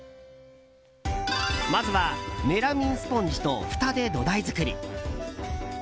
まずはメラミンスポンジとふたで土台作り。